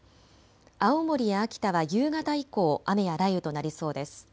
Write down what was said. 青森や秋田は夕方以降、雨や雷雨となりそうです。